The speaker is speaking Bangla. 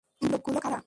বাইরের লোকগুলো কারা?